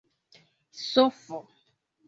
sofo